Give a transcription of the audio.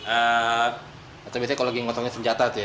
atau biasanya kalau lagi ngotongin senjata tuh ya